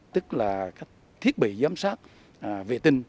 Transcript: tức là thiết bị giám sát vệ tinh